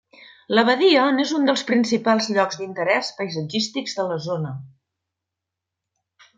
L'abadia n'és un dels principals llocs d'interès paisatgístics de la zona.